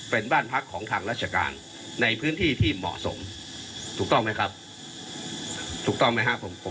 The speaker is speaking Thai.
เป็นบ้านพักของทางราชการในพื้นที่ที่เหมาะสมถูกต้องไหมครับถูกต้องไหมครับผม